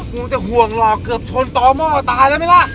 พูดจะห่วงรอเคบชนต้องม่อตาแล้วไม่ล่ะ